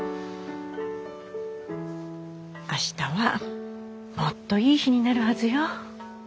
明日はもっといい日になるはずよ。